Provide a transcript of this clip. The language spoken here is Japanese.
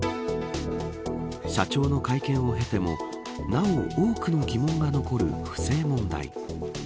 社長の会見を経てもなお多くの疑問が残る不正問題。